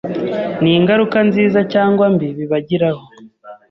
n’ingaruka nziza cyangwa mbi bibagiraho.